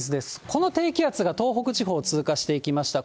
この低気圧が東北地方を通過していきました。